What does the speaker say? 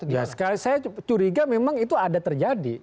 ya saya curiga memang itu ada terjadi